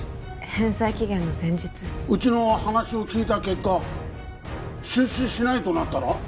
返済期限の前日うちの話を聞いた結果出資しないとなったら？